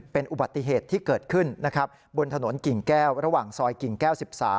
เป็นอุบัติเหตุที่เกิดขึ้นนะครับบนถนนกิ่งแก้วระหว่างซอยกิ่งแก้ว๑๓